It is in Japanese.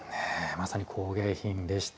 まさに工芸品でした。